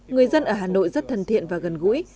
người dân ở hà nội rất thân thiện và gần gũi